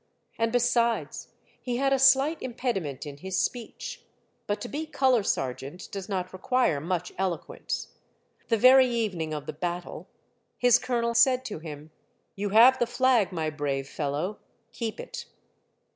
And besides, he had a sHght impedi ment in his speech ; but to be color sergeant does not require much eloquence. The very evening of The Color Sergeant. 1 1 9 the battle his colonel said to him, *' You have the flag, my brave fellow; keep it."